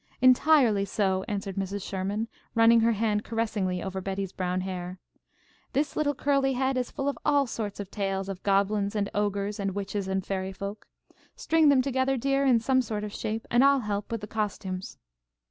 "Entirely so," answered Mrs. Sherman, running her hand caressingly over Betty's brown hair. "This little curly head is full of all sorts of tales of goblins and ogres and witches and fairy folk. String them together, dear, in some sort of shape, and I'll help with the costumes."